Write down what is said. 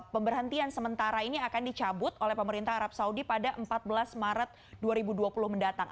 pemberhentian sementara ini akan dicabut oleh pemerintah arab saudi pada empat belas maret dua ribu dua puluh mendatang